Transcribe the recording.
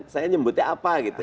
saya nyebutnya apa gitu